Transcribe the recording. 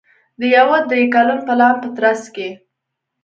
د یوه درې کلن پلان په ترڅ کې